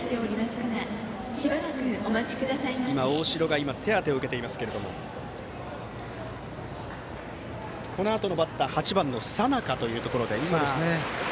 大城が今、手当てを受けていますけれどもこのあとのバッターは３番の佐仲ということです。